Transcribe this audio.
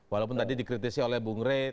walaupun tadi dikritisi oleh bung rey